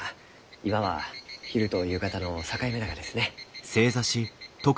今は昼と夕方の境目ながですね。